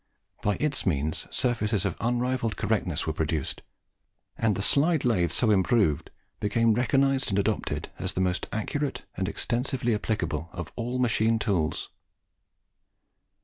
By its means surfaces of unrivalled correctness were produced, and the slide lathe, so improved, became recognised and adopted as the most accurate and extensively applicable of all machine tools.